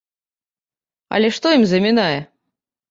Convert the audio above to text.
Але што ім замінае?